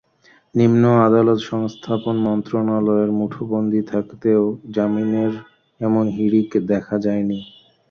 নিম্ন আদালত সংস্থাপন মন্ত্রণালয়ের মুঠোবন্দী থাকতেও জামিনের এমন হিড়িক দেখা যায়নি।